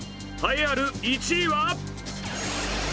栄えある１位は。